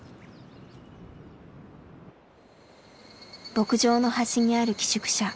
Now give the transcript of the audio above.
牧場の端にある寄宿舎。